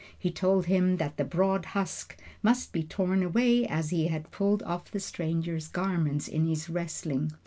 He told him that the broad husks must be torn away, as he had pulled off the stranger's garments in his wrestling.